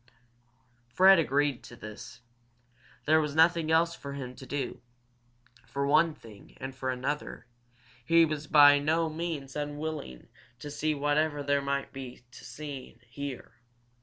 Fred agreed to all this. There was nothing else for him to do, for one thing, and, for another, he was by no means unwilling to see whatever there might be to be seen here.